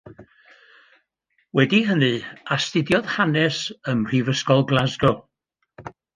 Wedi hynny astudiodd Hanes ym Mhrifysgol Glasgow.